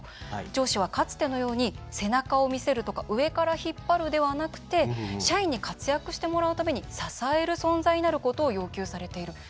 上司はかつてのように背中を見せるとか上から引っ張るではなくて社員に活躍してもらうために支える存在になることを要求されている。